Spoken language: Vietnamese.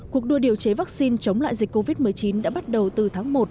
cuộc đua điều chế vaccine chống lại dịch covid một mươi chín đã bắt đầu từ tháng một